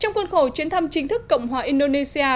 trong khuôn khổ chuyến thăm chính thức cộng hòa indonesia